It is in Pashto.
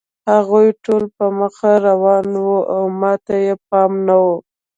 هغوی ټول په مخه روان وو او ما ته یې پام نه و